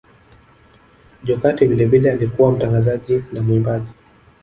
Jokate vilevile alikuwa mtangazaji na mwimbaji